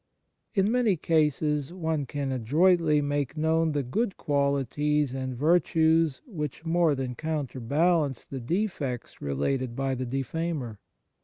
In many cases one can adroitly make known the good qualities and virtues which more than counterbalance the defects related by the defamer.